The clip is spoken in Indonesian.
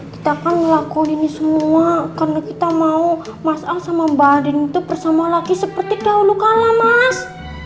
kita kan ngelakuin ini semua karena kita mau mas al sama mbak alding itu bersama laki seperti dahulu kala mas